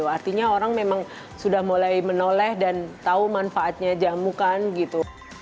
artinya orang memang sudah mulai menoleh dan tahu manfaatnya jamu kan gitu